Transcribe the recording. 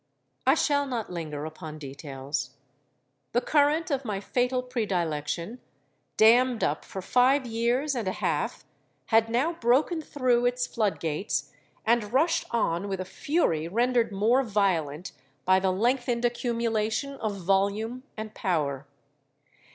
"I shall not linger upon details. The current of my fatal predilection—dammed up for five years and a half—had now broken through its flood gates, and rushed on with a fury rendered more violent by the lengthened accumulation of volume and power.